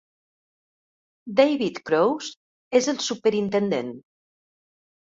David Kroeze és el superintendent.